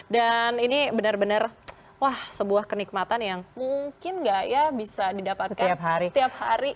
dan ini benar benar wah sebuah kenikmatan yang mungkin gak ya bisa didapatkan setiap hari